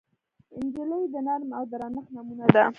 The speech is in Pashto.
نجلۍ د نرمۍ او درنښت نمونه ده.